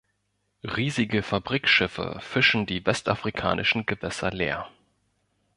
Riesige Fabrikschiffe fischen die westafrikanischen Gewässer leer.